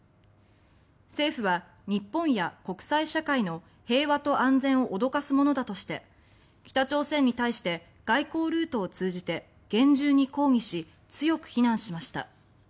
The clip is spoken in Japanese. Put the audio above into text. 政府は日本や国際社会の平和と安全を脅かすものだとして北朝鮮に対して外交ルートを通じて厳重に抗議し強く非難しました。